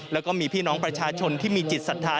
แล้วก็มีพี่น้องประชาชนที่มีจิตศรัทธา